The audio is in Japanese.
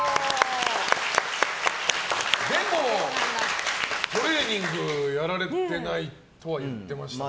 でも、トレーニングやられてないとは言ってましたよね。